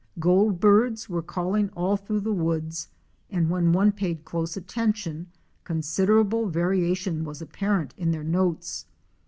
Goldbirds '* were calling all through the woods, and when one paid close attention, considerable variation was apparent in their notes.